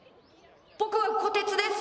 「ぼくはこてつです」。